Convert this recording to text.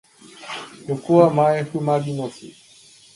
よこはまえふまりのす